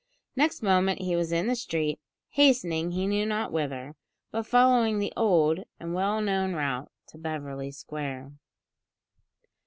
Next moment he was in the street hastening he knew not whither; but following the old and well known route to Beverly Square.